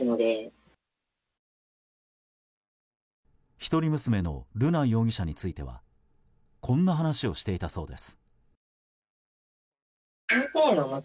一人娘の瑠奈容疑者についてはこんな話をしていたようです。